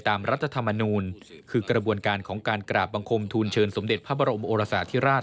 รัฐธรรมนูลคือกระบวนการของการกราบบังคมทูลเชิญสมเด็จพระบรมโอรสาธิราช